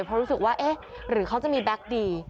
เพราะรู้สึกว่าเอ๊ะหรือเขาจะมีแบ็คดี